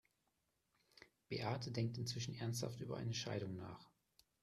Beate denkt inzwischen ernsthaft über eine Scheidung nach.